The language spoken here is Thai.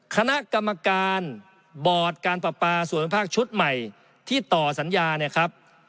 คณะกรรมการบอร์ดการปราปาส่วนภาคชุดใหม่ที่ต่อสัญญาเนี่ยครับ